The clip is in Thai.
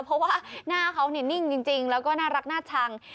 เพราะว่าหน้าเขานิ่งจริงแล้วก็น่ารักน่าชัง